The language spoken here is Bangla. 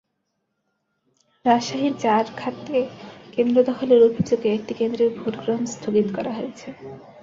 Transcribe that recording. রাজশাহীর চারঘাটে কেন্দ্র দখলের অভিযোগে একটি কেন্দ্রের ভোট গ্রহণ স্থগিত করা হয়েছে।